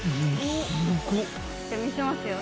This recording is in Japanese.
見せますよ。